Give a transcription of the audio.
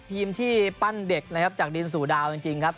ทีมที่ปั้นเด็กนะครับจากดินสู่ดาวจริงครับ